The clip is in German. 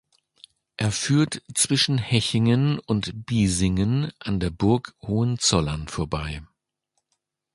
Er führt zwischen Hechingen und Bisingen an der Burg Hohenzollern vorbei.